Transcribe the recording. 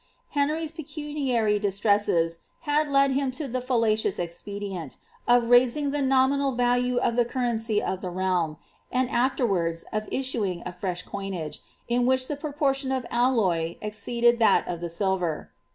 Henry's pecuniary distresses had led him to the fallacious expedient, of raising the nominal value of the currency of the realm, and afterwards of issuing a fresh coinage, in which the proportion of alloy exceeded that of the silver.